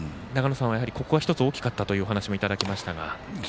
ここが１つ大きかったというお話いただきましたが。